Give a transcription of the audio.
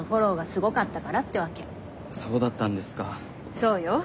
そうよ。